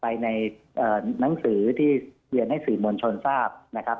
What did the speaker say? ไปในนังสือที่เรียนให้สื่อมวลชนทราบ